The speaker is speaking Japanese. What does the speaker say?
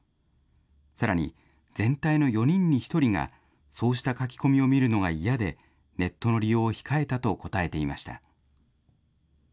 さらに全体の４人に１人が、そうした書き込みを見るのが嫌で、ネットの利用を控えたと答えていました。